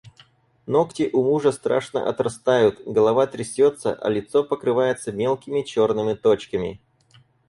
Ногти у мужа страшно отрастают, голова трясётся, а лицо покрывается мелкими чёрными точками.